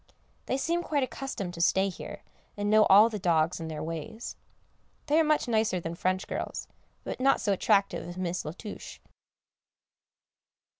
They seem quite accustomed to stay here, and know all the dogs and their ways. They are much nicer than French girls, but not so attractive as Miss La Touche.